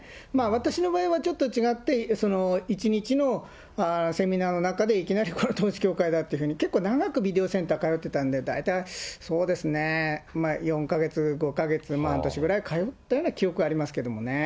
私の場合はちょっと違って、１日のセミナーの中で、いきなりこれ、統一教会だっていうふうに、結構、長くビデオセンターに通ってたんで、大体、そうですね、４か月、５か月、半年ぐらい通ったような記憶がありますけどね。